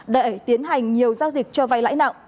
để tiến hành nhiều giao dịch cho vay lãi nặng